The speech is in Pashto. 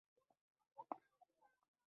هغه وویل په فریدګل مو ځانګړی پام وي